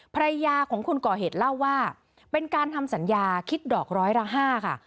ภรรยาของคนก่อเหตุเล่าว่าเป็นการทำสัญญาคิดดอกร้อยละ๕ค่ะ